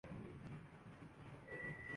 دونوں اطراف مزدور اپنی مزدوری کے انتظار میں رہتے